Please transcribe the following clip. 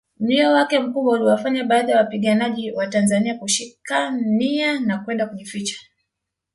Mlio wake mkubwa uliwafanya baadhi ya wapiganaji watanzania kushika nia na kwenda kujificha